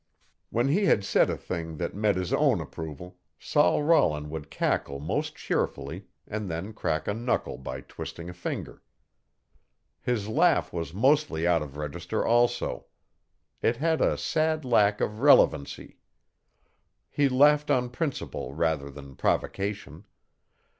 When he had said a thing that met his own approval Sol Rollin would cackle most cheerfully and then crack a knuckle by twisting a finger. His laugh was mostly out of register also. It had a sad lack of relevancy. He laughed on principle rather than provocation.